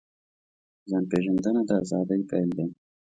ځان پېژندنه د ازادۍ پیل دی.